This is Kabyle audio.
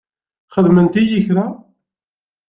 Xedment-iyi kra?